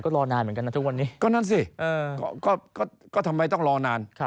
รอนานเหมือนกันนะทุกวันนี้ก็นั่นสิก็ทำไมต้องรอนาน